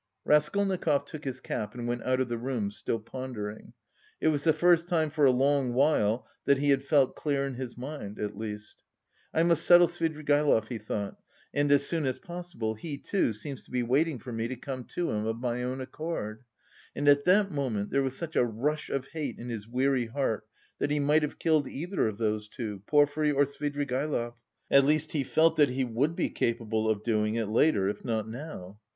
Raskolnikov took his cap and went out of the room, still pondering. It was the first time for a long while that he had felt clear in his mind, at least. "I must settle Svidrigaïlov," he thought, "and as soon as possible; he, too, seems to be waiting for me to come to him of my own accord." And at that moment there was such a rush of hate in his weary heart that he might have killed either of those two Porfiry or Svidrigaïlov. At least he felt that he would be capable of doing it later, if not now.